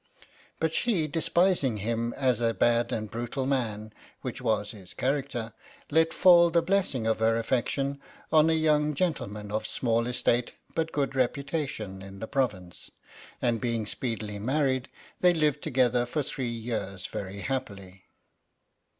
But she, despising him as a bad and brutal man, which was his character, let fall the blessing of her affection on a young gentleman of small estate but good reputation in the province, and being speedily married, they lived together for three years very happily.